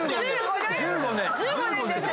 １５年です。